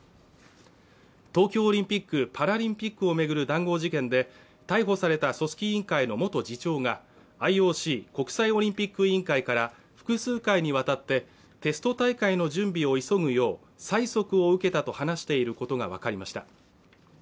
東京オリンピック・パラリンピックを巡る談合事件で逮捕された組織委員会の元次長がＩＯＣ＝国際オリンピック委員会から複数回にわたってテスト大会の準備を急ぐよう催促を受けたと話していることが分かりました